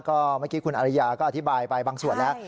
ก็เมื่อกี้คุณอริยาก็อธิบายไปบางส่วนแล้ว